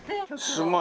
すごい。